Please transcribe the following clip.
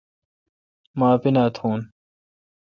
مہ اپینا تھون۔